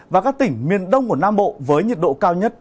và các tỉnh miền đông của nam bộ với nhiệt độ cao nhất